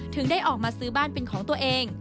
ถึงได้ออกมาซื้อบ้านเป็นของตัวเอง